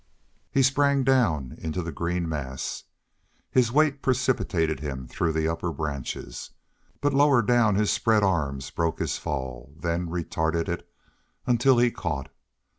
He sprang down into the green mass. His weight precipitated him through the upper branches. But lower down his spread arms broke his fall, then retarded it until he caught.